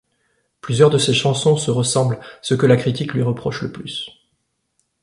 Plusieurs de ses chansons se ressemblent, ce que la critique lui reproche le plus.